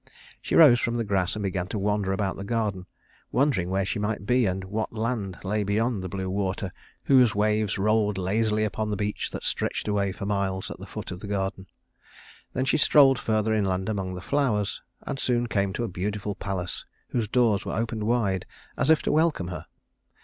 She rose from the grass and began to wander about the garden, wondering where she might be and what land lay beyond the blue water whose waves rolled lazily upon the beach that stretched away for miles at the foot of the garden. Then she strolled further inland among the flowers, and soon came to a beautiful palace whose doors were opened wide as if to welcome her.